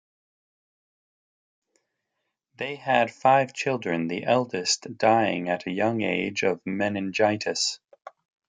They had five children, the eldest dying at a young age of meningitis.